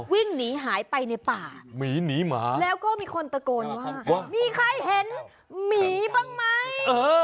วิ่งหนีหายไปในป่าแล้วก็มีคนตะโกนว่ามีใครเห็นหมีบ้างไหม